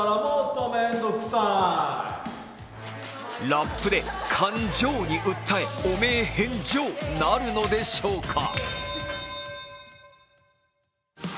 ラップで感ＪＯに訴え汚名返ＪＯになるのでしょうか？